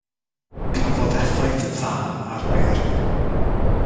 Cafodd effaith dda ar Mary.